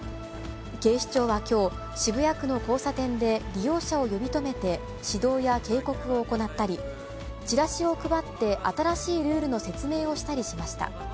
警視庁はきょう、渋谷区の交差点で利用者を呼び止めて、指導や警告を行ったり、チラシを配って新しいルールの説明をしたりしました。